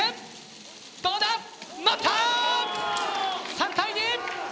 ３対２。